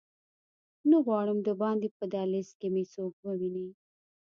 نه غواړم دباندې په دهلېز کې مې څوک وویني.